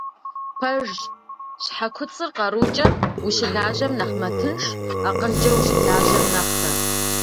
Пэжщ, щхьэ куцӀыр къарукӀэ ущылажьэм нэхъ мэтынш, акъылкӀэ ущылажьэм нэхърэ.